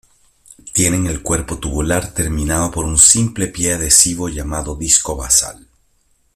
Tienen el cuerpo tubular terminado por un simple pie adhesivo llamado disco basal.